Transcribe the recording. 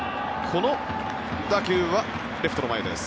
この打球はレフトの前です。